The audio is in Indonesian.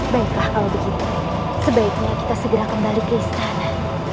baiklah kalau begitu sebaiknya kita segera kembali ke istana